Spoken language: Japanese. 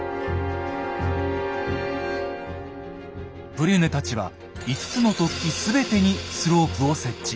ブリュネたちは５つの突起全てにスロープを設置。